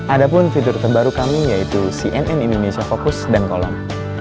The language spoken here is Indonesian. ada pun fitur terbaru kami yaitu cnn indonesia fokus dan kolom